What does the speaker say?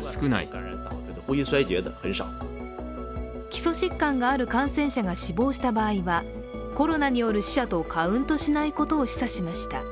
基礎疾患がある感染者が死亡した場合はコロナによる死者とカウントしないことを示唆しました。